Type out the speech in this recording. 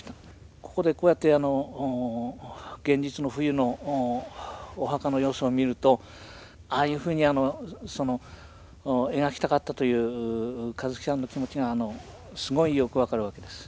ここでこうやってあの現実の冬のお墓の様子を見るとああいうふうにその描きたかったという香月さんの気持ちがすごいよく分かるわけです。